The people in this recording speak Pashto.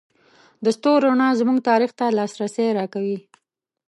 د ستورو رڼا زموږ تاریخ ته لاسرسی راکوي.